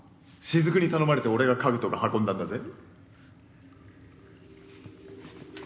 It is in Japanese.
雫に頼まれて俺が家具とか運んだんだぜ。